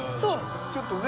ちょっとね。